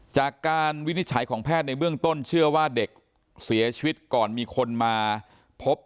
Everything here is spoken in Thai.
วินิจฉัยของแพทย์ในเบื้องต้นเชื่อว่าเด็กเสียชีวิตก่อนมีคนมาพบ